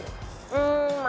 うんまあ